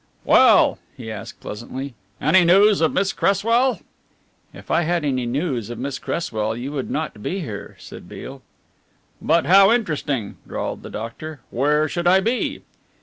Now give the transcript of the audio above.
"Well," he asked pleasantly, "any news of Miss Cresswell?" "If I had any news of Miss Cresswell you would not be here," said Beale. "But how interesting," drawled the doctor. "Where should I be?"